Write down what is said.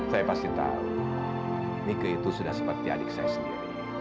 saya pasti tahu nike itu sudah seperti adik saya sendiri